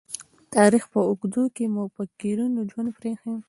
تاریخ په اوږدو کې مُفکرینو ژوند پريښی.